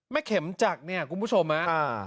แม่เข็มจักเนี่ยคุณผู้ชมอ่ะอ่า